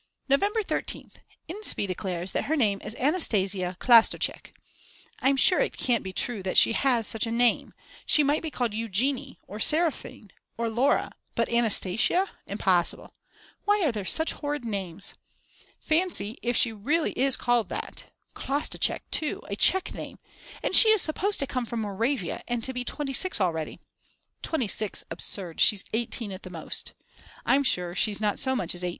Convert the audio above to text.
November 13th. Inspee declares that her name is Anastasia Klastoschek. I'm sure it can't be true that she has such a name, she might be called Eugenie or Seraphine or Laura, but Anastasia, impossible. Why are there such horrid names? Fancy if she is really called that. Klastoschek, too, a Czech name, and she is supposed to come from Moravia and to be 26 already; 26, absurd, she's 18 at most. I'm sure she's not so much as 18.